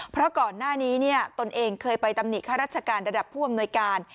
เพราะก่อนหน้านี้ตนเองเคยไปตำหนิข้าราชการระดับผู้อำนวยการ